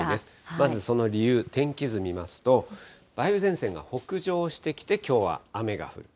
まずその理由、天気図見ますと、梅雨前線が北上してきて、きょうは雨が降る。